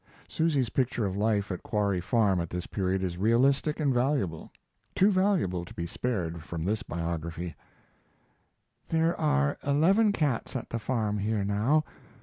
Susy's picture of life at Quarry Farm at this period is realistic and valuable too valuable to be spared from this biography: There are eleven cats at the farm here now.